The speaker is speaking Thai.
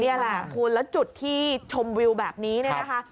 นี่แหละครูและจุดที่ชมวิวแบบนี้นะคะ